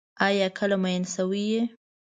آیا کله مئین شوی یې؟